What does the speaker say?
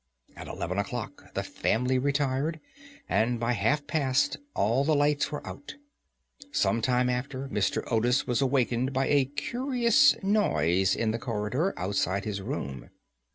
At eleven o'clock the family retired, and by half past all the lights were out. Some time after, Mr. Otis was awakened by a curious noise in the corridor, outside his room.